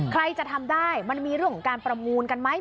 ใครจะทำได้มันมีเรื่องของการประมูลกันไหม